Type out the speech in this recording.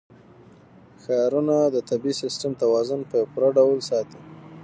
ښارونه د طبعي سیسټم توازن په پوره ډول ساتي.